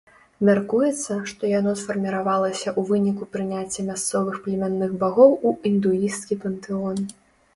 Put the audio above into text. Мяркуецца, што яно сфарміравалася ў выніку прыняцця мясцовых племянных багоў у індуісцкі пантэон.